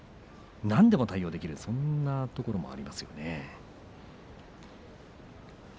何でも対応できるそんなところもありますよね。